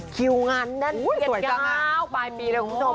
คิวงานนั่นเย็นเก้าปลายปีเลยคุณผู้ชม